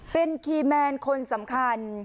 เป็นคีย์แมนคนสำคัญ